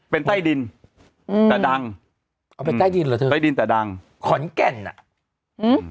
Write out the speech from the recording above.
เป็นใต้ดินอืมแต่ดังเอาไปใต้ดินเหรอเธอใต้ดินแต่ดังขอนแก่นอ่ะอืม